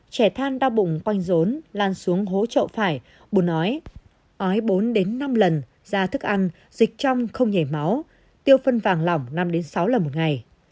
trẻ than đau bụng quanh rốn lan xuống hố trậu phải bùn ói ói bốn năm lần da thức ăn dịch trong không nhảy máu tiêu phân vàng lỏng năm sáu lần một ngày